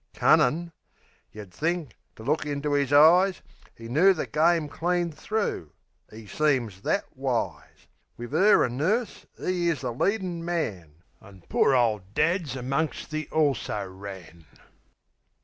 Cunnin'? Yeh'd think, to look into 'is eyes, 'E knoo the game clean thro'; 'e seems that wise. Wiv 'er 'an nurse 'e is the leadin' man, An' poor ole dad's amongst the "also ran."